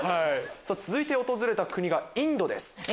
続いて訪れた国がインドです。